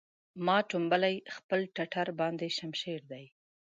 ما ټومبلی خپل ټټر باندې شمشېر دی